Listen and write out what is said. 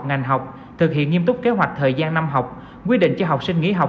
ngành học thực hiện nghiêm túc kế hoạch thời gian năm học quy định cho học sinh nghỉ học